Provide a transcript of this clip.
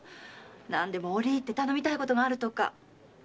何でも折り入って頼みたいことがあるとか。